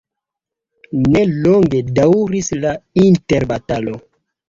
Ne longe daŭris la interbatalo.